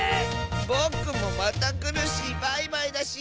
ぼくもまたくるしバイバイだし！